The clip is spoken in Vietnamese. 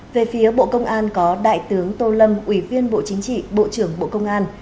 về phía bộ công an có đại tướng tô lâm ủy viên bộ chính trị bộ trưởng bộ công an